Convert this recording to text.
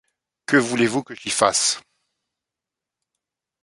Que voulez-vous que j’y fasse ?